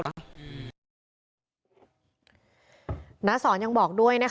ทุกคนมารู้ข่าว